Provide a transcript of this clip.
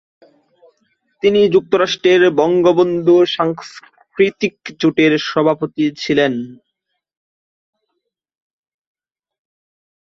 তিনি যুক্তরাষ্ট্রের বঙ্গবন্ধু সাংস্কৃতিক জোটের সভাপতি ছিলেন।